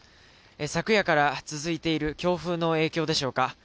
昨夜から続いている強風の影響でしょうか。